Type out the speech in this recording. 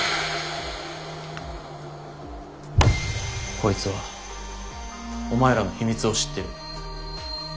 こいつはお前らの秘密を知ってる。